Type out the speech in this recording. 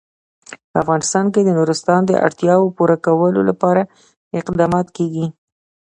په افغانستان کې د نورستان د اړتیاوو پوره کولو لپاره اقدامات کېږي.